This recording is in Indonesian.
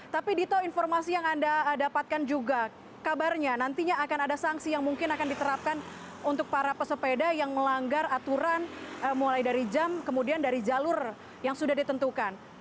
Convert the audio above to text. tapi dito informasi yang anda dapatkan juga kabarnya nantinya akan ada sanksi yang mungkin akan diterapkan untuk para pesepeda yang melanggar aturan mulai dari jam kemudian dari jalur yang sudah ditentukan